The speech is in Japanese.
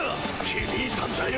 ひびいたんだよ。